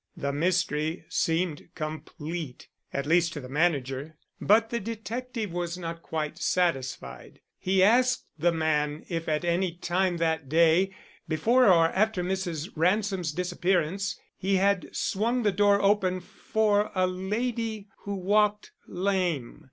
The mystery seemed complete, at least to the manager. But the detective was not quite satisfied. He asked the man if at any time that day, before or after Mrs. Ransom's disappearance, he had swung the door open for a lady who walked lame.